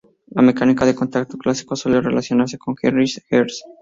La mecánica de contacto clásica suele relacionarse con Heinrich Hertz.